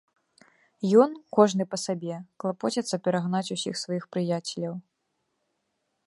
Ён, кожны па сабе, клапоціцца перагнаць усіх сваіх прыяцеляў.